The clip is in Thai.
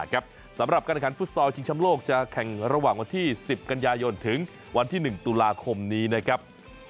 การแข่งขันฟุตซอลชิงชำโลกจะแข่งระหว่างวันที่๑๐กันยายนถึงวันที่๑ตุลาคมนี้นะครับ